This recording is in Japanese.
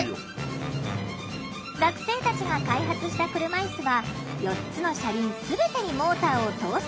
学生たちが開発した車いすは４つの車輪全てにモーターを搭載。